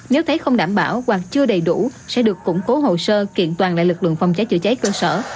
nếu thấy không đảm bảo hoặc chưa đầy đủ sẽ được củng cố hồ sơ kiện toàn lại lực lượng phòng cháy chữa cháy cơ sở